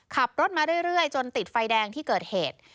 ขับรถมาเรื่อยจนติดไฟแดงที่เกิดเหตุ